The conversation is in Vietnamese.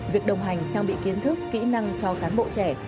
việc đồng hành trang bị kiến thức kỹ năng cho cán bộ trẻ